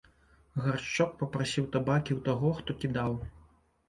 Гаршчок папрасіў табакі ў таго, хто кідаў.